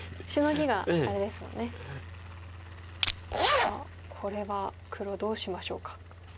さあこれは黒どうしましょうか。